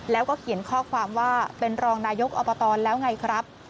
แล้วก็เขียนข้อความว่าเป็นรองนายกอบตแล้วไงครับ